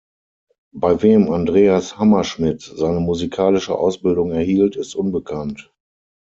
Bei wem Andreas Hammerschmidt seine musikalische Ausbildung erhielt, ist unbekannt.